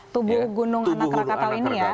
tubuh gunung anak rakatau ini ya